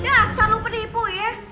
dasar lo penipu ya